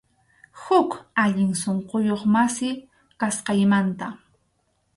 Huk allin sunquyuq masi, kasqaymanta.